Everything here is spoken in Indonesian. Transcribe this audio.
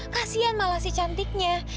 kasian malah si cantiknya